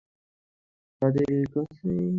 যারীদ কথা না বাড়িয়ে চুপচাপ শয্যা গ্রহণ করে।